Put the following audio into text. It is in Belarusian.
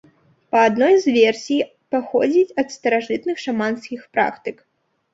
Па адной з версій, паходзіць ад старажытных шаманскіх практык.